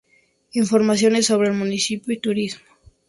Informaciones sobre el municipio y turismo